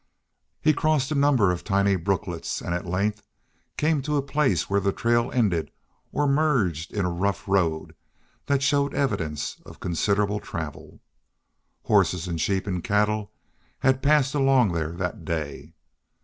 He crossed a number of tiny brooklets, and at length came to a place where the trail ended or merged in a rough road that showed evidence of considerable travel. Horses, sheep, and cattle had passed along there that day.